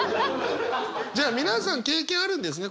じゃあ皆さん経験あるんですね